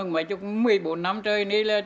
mấy chút một mươi bốn năm trời đi lên